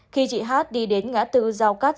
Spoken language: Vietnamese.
khi chị hát đi đến ngã tư giao cắt